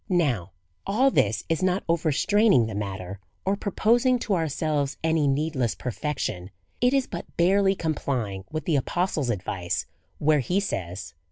Now, all this is not overstraining the matter, or proposing to ourselves any needless perfection. It is but barely complying with the apostle's advice, where he says.